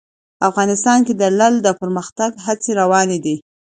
افغانستان کې د لعل د پرمختګ هڅې روانې دي.